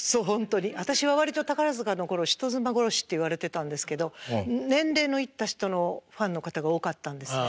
私は割と宝塚の頃「人妻殺し」って言われてたんですけど年齢のいった人のファンの方が多かったんですね。